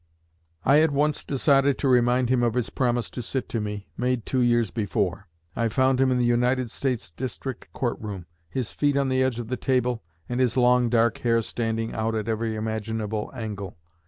I at once decided to remind him of his promise to sit to me, made two years before. I found him in the United States District Court room, his feet on the edge of the table, and his long dark hair standing out at every imaginable angle.